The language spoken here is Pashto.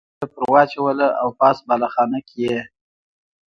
مالګه یې پرې واچوله او پاس بالاخانه کې یې.